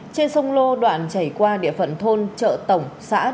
trên sông lô đoạn chảy qua địa phận thôn chợ tổng xã đức nguyên